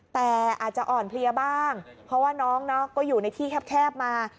แต่อาจจะอ่อนเพลียบ้างเพราะว่าน้องก็อยู่ในที่แคบมา